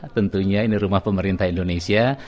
tentunya ini rumah pemerintah indonesia